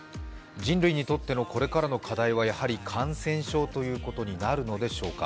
人類にとってのこれからの課題は、やはり感染症ということになるのでしょうか。